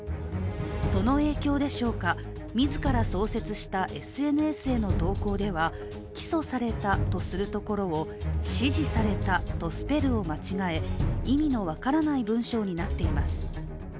その影響でしょうか、自ら創設したＳＮＳへの投稿では起訴されたとするところを、指示されたとスペルを間違え意味の分からない文章になっています。